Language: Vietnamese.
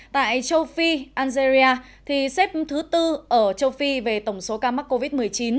tại châu phi algeria xếp thứ tư ở châu phi về tổng số ca mắc covid một mươi chín